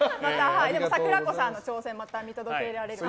さくらこさんの挑戦をまた見届けられるので。